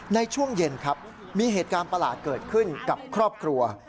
ในช่วงเย็นครับมีเหตุการณ์ประหลาดเกิดขึ้นกับครอบครัว